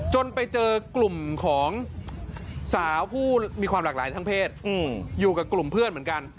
จนไปเจอกลุ่มของสาวผู้มีความหลากหลายทางเพศอยู่กับกลุ่มเพื่อนเหมือนกัน